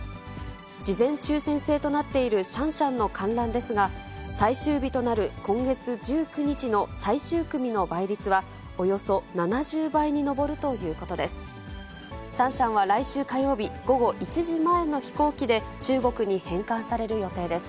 事前抽せん制となっているシャンシャンの観覧ですが、最終日となる今月１９日の最終組の倍率は、およそ７０倍に上るということです。